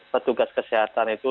petugas kesehatan itu